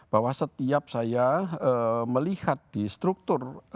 bahwa setiap saya melihat di struktur